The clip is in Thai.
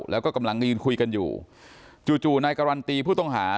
แล้วก็กำลังยืนคุยกันอยู่จู่นายการันตีผู้ต้องหา